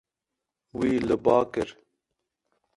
Wî li ba kir.